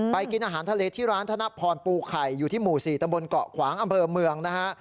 กินอาหารทะเลที่ร้านธนพรปูไข่อยู่ที่หมู่๔ตำบลเกาะขวางอำเภอเมืองนะฮะ